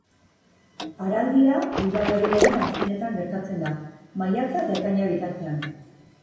Araldia udaberriaren azkenetan gertatzen da; maiatza eta ekaina bitartean.